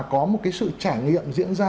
có một cái sự trải nghiệm diễn ra